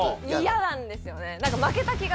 嫌なんですよね何か。